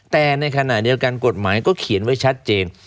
แต่ในขณะเดียวกันกฎหมายก็เขียนไว้ชัดเจน